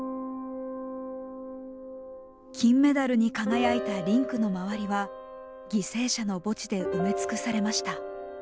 金メダルに輝いたリンクの周りは犠牲者の墓地で埋め尽くされました。